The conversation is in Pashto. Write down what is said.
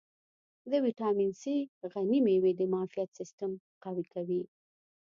په ویټامین C غني مېوې د معافیت سیستم قوي کوي.